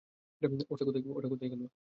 ওটা কোথায় গেলো?